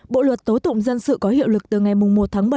bộ luật tố tụng dân sự có hiệu lực từ ngày một tháng bảy